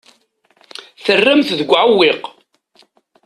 Terram-t deg uɛewwiq.